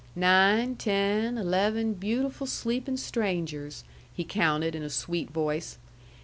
"Nine, ten, eleven, beautiful sleepin' strangers," he counted, in a sweet voice.